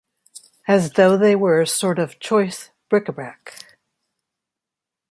As though they were a sort of choice bric-a-brac.